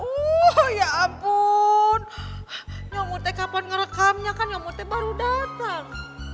oh ya ampun nyamutnya kapan ngerekamnya kan nyamuknya baru datang